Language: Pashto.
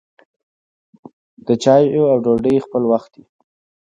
د چايو او ډوډۍ خپله وخت يي.